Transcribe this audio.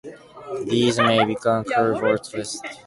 These may become curved or twisted.